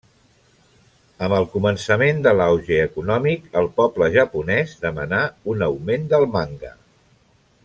Amb el començament de l'auge econòmic, el poble japonès demanà un augment del manga.